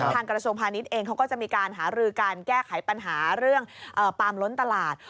กระทรวงพาณิชย์เองเขาก็จะมีการหารือการแก้ไขปัญหาเรื่องปาล์มล้นตลาด